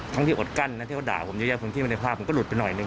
ที่อดกั้นนะที่เขาด่าผมเยอะแยะพื้นที่มาในภาพผมก็หลุดไปหน่อยนึ